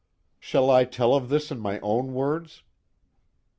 "Shall I tell of this in my own words?"